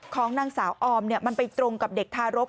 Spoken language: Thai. ของนางสาวออมมันไปตรงกับเด็กทารก